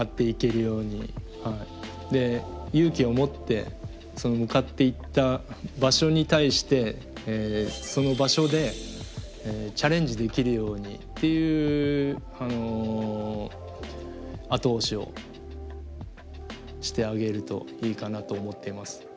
で勇気を持ってその向かっていった場所に対してその場所でチャレンジできるようにっていう後押しをしてあげるといいかなと思っています。